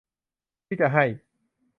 ที่จะให้